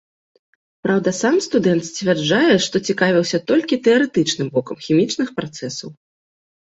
Праўда, сам студэнт сцвярджае, што цікавіўся толькі тэарэтычным бокам хімічных працэсаў.